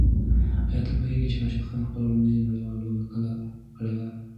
آیا ته پوهېږې چې راشد خان خپله لومړۍ نړیواله لوبه کله کړې وه؟